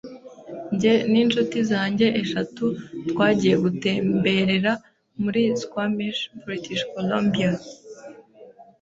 njye n’inshuti zanjye eshatu twagiye gutemberera muri squamish, British Colombia.